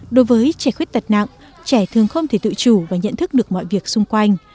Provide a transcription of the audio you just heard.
đối với trẻ khuyết tật nặng trẻ thường không thể tự chủ và nhận thức được mọi việc xung quanh